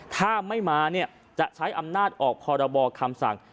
ถ้าไม่มาเนี่ยจะใช้อำนาจออกคอระบอกคำสั่ง